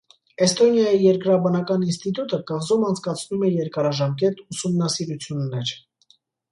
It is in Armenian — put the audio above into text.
Էստոնիայի երկրաբանական ինստիտուտը կղզում անցկացնում է երկարաժամկետ ուսումնասիրություններ։